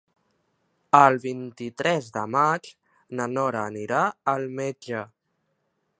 El vint-i-tres de maig na Nora anirà al metge.